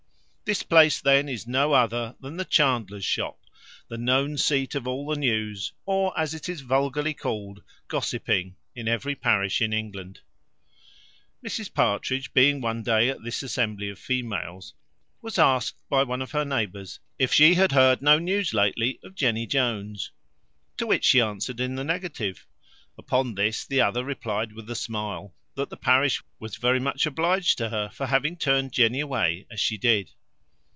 This place then is no other than the chandler's shop, the known seat of all the news; or, as it is vulgarly called, gossiping, in every parish in England. Mrs Partridge being one day at this assembly of females, was asked by one of her neighbours, if she had heard no news lately of Jenny Jones? To which she answered in the negative. Upon this the other replied, with a smile, That the parish was very much obliged to her for having turned Jenny away as she did.